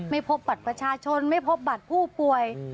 ไม่พบบัตรประชาชนไม่พบบัตรผู้ป่วย